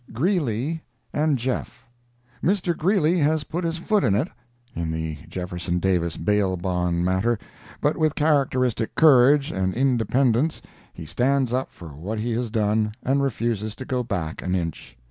GREELEY AND JEFF. Mr. Greeley has put his foot in it, in the Jeff. Davis bail bond matter, but with characteristic courage and independence he stands up for what he has done and refuses to go back an inch.